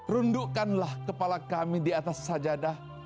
rundukkanlah kepala kami di atas sajadah